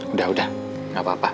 udah udah gak apa apa